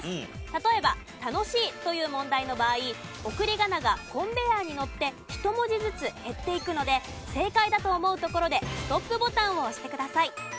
例えば「たのしい」という問題の場合送り仮名がコンベヤーに乗って１文字ずつ減っていくので正解だと思うところでストップボタンを押してください。